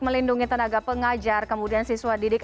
melindungi tenaga pengajar kemudian siswa didik